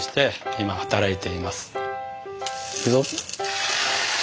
いくぞ。